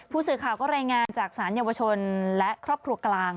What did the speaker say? ผู้สื่อข่าวก็รายงานจากศาลเยาวชนและครอบครัวกลาง